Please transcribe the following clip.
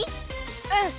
うん。